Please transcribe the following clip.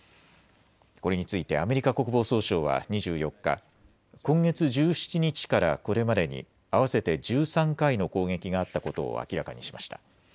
これについてアメリカ国防総省は２４日、今月１７日からこれまでに合わせて１３回の攻撃があったことを明らかにしました。